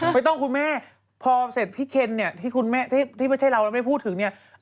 ไม่ต้องคุณแม่พอเสร็จพี่เคนที่ไม่ใช่เราแล้วไม่ได้พูดถึง